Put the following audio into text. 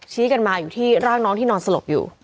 กันมาอยู่ที่ร่างน้องที่นอนสลบอยู่